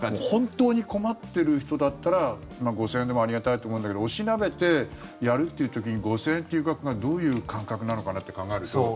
本当に困ってる人だったら５０００円でもありがたいと思うんだけど押しなべて、やるという時に５０００円という額がどういう感覚なのかなって考えると。